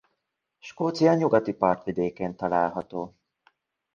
Skócia nyugati partvidékén található.